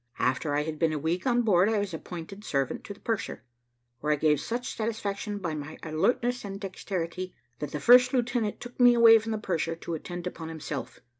After I had been a week on board, I was appointed servant to the purser, where I gave such satisfaction by my alertness and dexterity, that the first lieutenant took me away from the purser to attend upon himself.